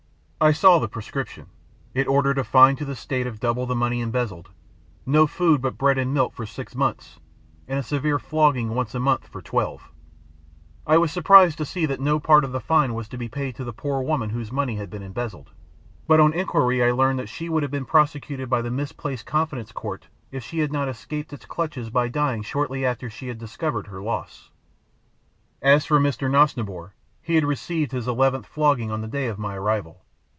I saw the prescription. It ordered a fine to the State of double the money embezzled; no food but bread and milk for six months, and a severe flogging once a month for twelve. I was surprised to see that no part of the fine was to be paid to the poor woman whose money had been embezzled, but on inquiry I learned that she would have been prosecuted in the Misplaced Confidence Court, if she had not escaped its clutches by dying shortly after she had discovered her loss. As for Mr. Nosnibor, he had received his eleventh flogging on the day of my arrival.